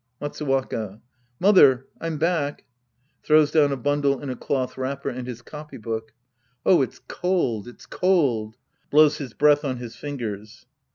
Matsuwaka. Mother, I'm back. {Throws down a bundle in a cloth wrapper and his copy book.) Oh, it's cold, it's cold. {Blows his breath on his fingers.)